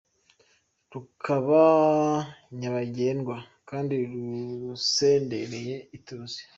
rukaba nyabagendwa kandi rusendereye ituze.